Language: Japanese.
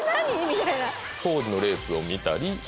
当時のレースを見たり。